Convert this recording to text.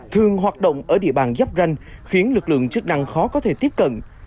thường hoạt động ở địa bàn giáp ranh khiến lực lượng chức năng khó có thể tiếp cận